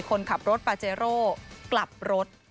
คนขับรถปาเจโร่กลับรถ